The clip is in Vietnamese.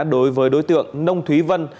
đối với đối tượng nông thúy vân